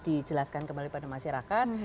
dijelaskan kembali pada masyarakat